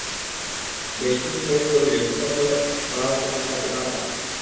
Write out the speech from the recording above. বেশ কিছু শাড়ির জমিনে সুতা তুলে করা হয়েছে হালকা কোটার কাজ।